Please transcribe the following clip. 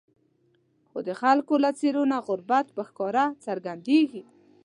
خو د خلکو له څېرو نه غربت په ښکاره څرګندېږي.